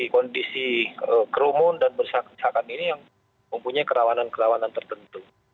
kondisi kerumun dan bersahak desakan ini yang mempunyai kerawanan kerawanan tertentu